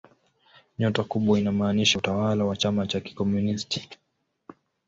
Nyota kubwa inamaanisha utawala wa chama cha kikomunisti.